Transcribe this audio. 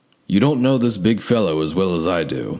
You don't know this big fellow as well as I do.